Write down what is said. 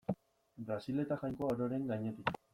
Brasil eta Jainkoa ororen gainetik.